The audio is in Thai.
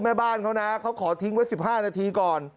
แม่บ้านเขานะเขาขอทิ้งไว้๑๕นาทีก่อน